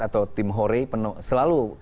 atau tim hore selalu